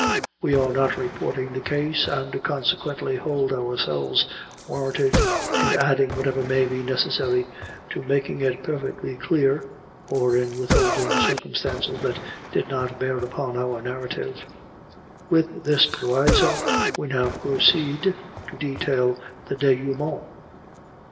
We are not reporting the case, and consequently hold ourselves warranted in adding whatever may be necessary to making it perfectly clear, or in withholding circumstances that did not bear upon our narrative. With this proviso, we now proceed to detail the denouement.